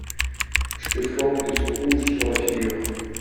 Je te flanque de ce rouge sur la figure.